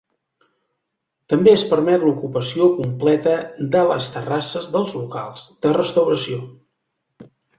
També es permet l’ocupació completa de les terrasses dels locals de restauració.